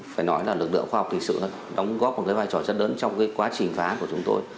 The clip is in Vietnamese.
phải nói là lực lượng khoa học hình sự đóng góp một vai trò chất đớn trong quá trình phá của chúng tôi